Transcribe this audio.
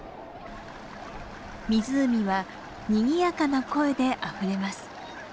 湖はにぎやかな声であふれます。